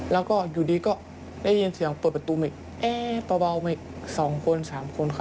แล้วก็อยู่ดีก็ได้ยินเสียงเปิดประตูมาอีก๒คน๓คนค่ะ